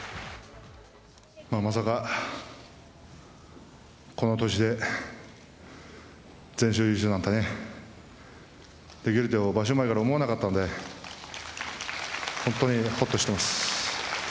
まさか、この年で全勝優勝なんてね、できるって場所前は思わなかったので、本当にほっとしてます。